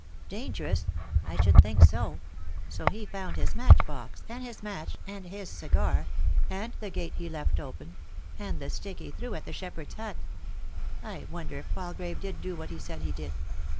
" Dangerous ? I should think so. So he found his matchbox ; and his match ; and his cigar ; and the gate he left open ; and the stick he threw at the shepherd's hut. I wonder if Palgrave did do what he said he did